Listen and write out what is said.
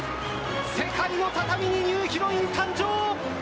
世界の畳にニューヒロイン誕生。